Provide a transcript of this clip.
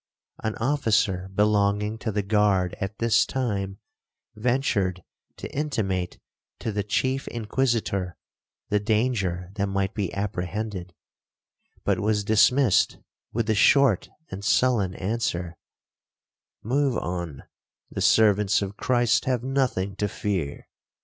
An officer belonging to the guard at this time ventured to intimate to the chief Inquisitor the danger that might be apprehended, but was dismissed with the short and sullen answer, 'Move on—the servants of Christ have nothing to fear.'